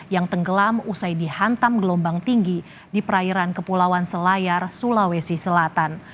yang tenggelam usai dihantam gelombang tinggi di perairan kepulauan selayar sulawesi selatan